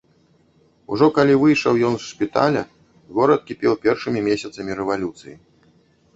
Ужо калі выйшаў ён з шпіталя, горад кіпеў першымі месяцамі рэвалюцыі.